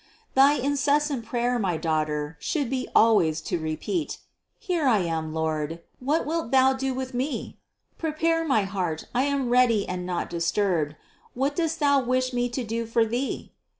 741. Thy incessant prayer, my daughter, should be always to repeat : here I am, Lord, what wilt Thou do with me? Prepared is my heart, I am ready and not disturbed; what dost Thou wish me to do for Thee?